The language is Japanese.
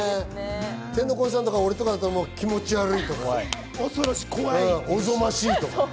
天の声さんや俺だったら気持ち悪いって、おぞましいとか。